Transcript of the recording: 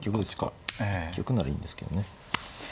一局ならいいんですけどね。